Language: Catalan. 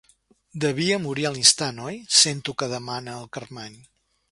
Devia morir a l'instant, oi? —sento que demana el Carmany.